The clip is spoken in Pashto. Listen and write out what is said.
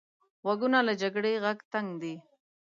غوږونه له جګړې غږ تنګ دي